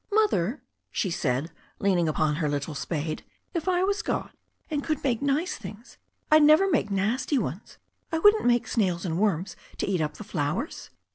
"Mother," she said, leaning upon her little spade, "if I was God, and could make nice things, I'd never make nasty ones. I wouldn't make snails and worms to eat up the flowers."